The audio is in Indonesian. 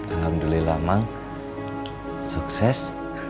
alhamdulillah mang sukses